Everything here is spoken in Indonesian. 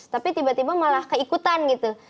tapi tiba tiba malah keikutan gitu